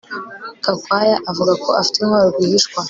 Gakwaya avuga ko afite intwaro rwihishwa